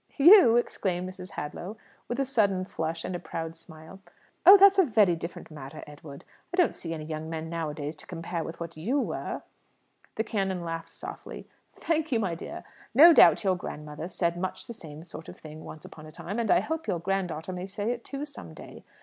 "You?" exclaimed Mrs. Hadlow, with a sudden flush and a proud smile. "Oh, that's a very different matter, Edward. I don't see any young men nowadays to compare with what you were." The canon laughed softly. "Thank you, my dear. No doubt your grandmother said much the same sort of thing once upon a time; and I hope your grand daughter may say it too, some day.